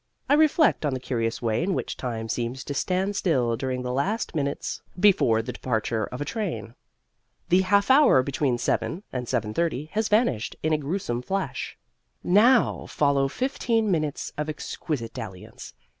I reflect on the curious way in which time seems to stand still during the last minutes before the departure of a train. The half hour between 7 and 7:30 has vanished in a gruesome flash. Now follow fifteen minutes of exquisite dalliance.